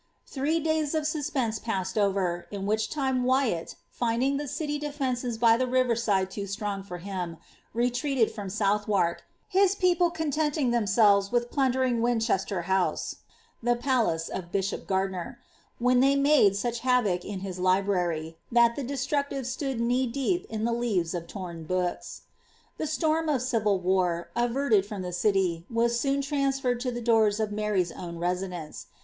'* Thrf« days of suspense passed orervm whicfa time Wymtt, fiadisf the city defences by the river eide too sttonf^ for faJm, retreated frooi Sonthwark, his people contenting themselTes with plnnderhig Wmchmter House, the palace of bishop Gardiner; when they mpide snc^ Imvoe in his library, that the destractiTes stood knee deip in theleams.of loia books.* The storm of civil war, averted from the ci^, was eooo tiaasfcmd to the door of HaryHi own residence.